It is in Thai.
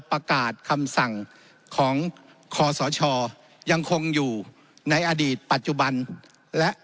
ประกาศคำสั่งของคอสชยังคงอยู่ในอดีตปัจจุบันและ